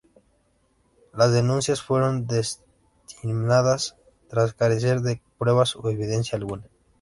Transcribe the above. Las denuncias fueron desestimadas tras carecer de pruebas o evidencia alguna.